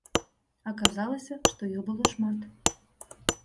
Аказалася, што іх было шмат.